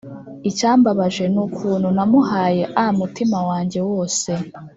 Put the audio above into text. Icyambabaje nukuntu namuhaye amutima wanjye wose